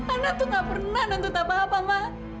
ana tuh nggak pernah nentuin apa apa ma